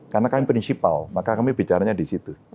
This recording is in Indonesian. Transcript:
karena kami principal maka kami bicaranya di situ